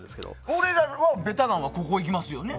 俺らはベタなのここに行きますよね。